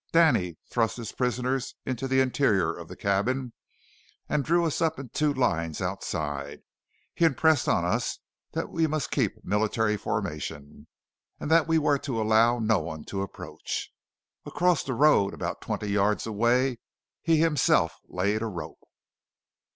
Danny thrust his prisoners into the interior of the cabin, and drew us up in two lines outside. He impressed on us that we must keep the military formation, and that we were to allow no one to approach. Across the road about twenty yards away he himself laid a rope.